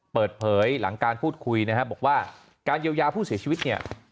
เปิดเผยหลังการพูดคุยนะครับบอกว่าการเยียวยาผู้เสียชีวิตเนี่ย